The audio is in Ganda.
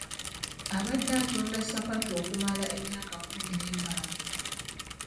Abadde atunda ssapatu okumala emyaka kkumi n'etaano.